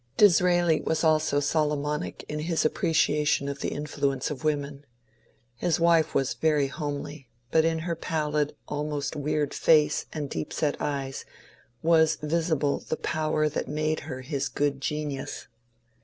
Disraeli was also Solomonic in his appreciation of the in fluence of women. His wife was very homely, but in her pallid, almost weird face and deep set eyes was visible the power that made her his good genius.